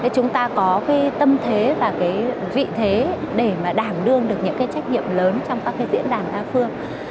chúng ta có tâm thế và vị thế để đảm đương được những trách nhiệm lớn trong các diễn đàn đa phương